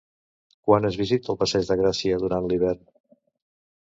Quan es visita el passeig de Gràcia durant l'hivern?